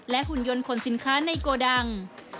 หุ่นยนต์ขนสินค้าในโกดัง